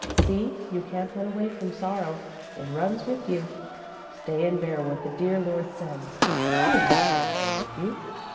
See, you can't run away from sorrow, it runs with you. Stay and bear what the dear Lord sends. He is not angry with you.